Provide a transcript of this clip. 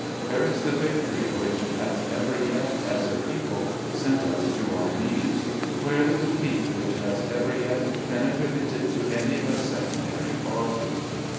Where is the victory which has ever yet, as a people, sent us to our knees? Where the defeat which has ever yet been attributed to any but secondary causes?